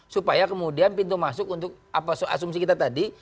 supaya kemudian pintu masuk untuk asumsi kita tadi